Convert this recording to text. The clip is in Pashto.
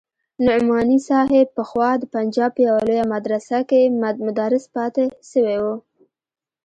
نعماني صاحب پخوا د پنجاب په يوه لويه مدرسه کښې مدرس پاته سوى و.